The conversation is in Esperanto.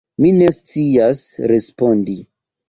Mi ne scias respondi.